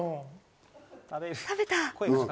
食べた！